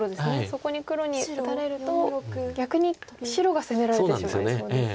そこに黒に打たれると逆に白が攻められてしまいそうですよね。